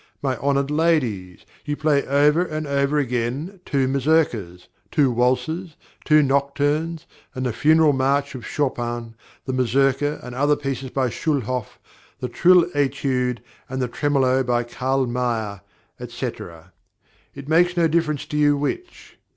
My honored ladies, you play over and over again two mazourkas, two waltzes, two nocturnes, and the Funeral March of Chopin, the Mazourka and other pieces by Schulhoff, the Trill Etude, and the Tremolo by Carl Meyer, &c.: "it makes no difference to you which."